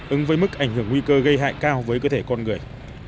ứng với mức ảnh hưởng nguy cơ gây hại cao với cơ thể con người